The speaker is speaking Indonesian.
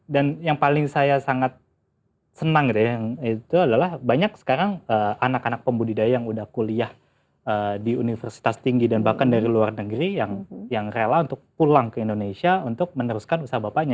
dan yang paling saya sangat senang gitu ya itu adalah banyak sekarang anak anak pembudidaya yang udah kuliah di universitas tinggi dan bahkan dari luar negeri yang rela untuk pulang ke indonesia untuk meneruskan usaha bapaknya